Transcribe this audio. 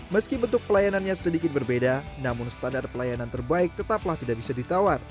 meski bentuk pelayanannya sedikit berbeda namun standar pelayanan terbaik tetaplah tidak bisa ditawar